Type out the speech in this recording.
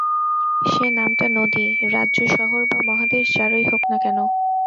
সে নামটা নদী, রাজ্য, শহর বা মহাদেশ যারই হোক না কেন।